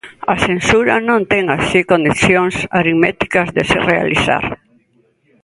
A censura non ten así condicións aritméticas de se realizar.